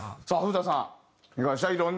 さあ古田さん